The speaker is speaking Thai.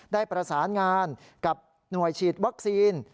ได้ประสานงานกับหน่วยฉีดวัคซีน